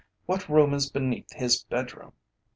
What room is beneath his bedroom?"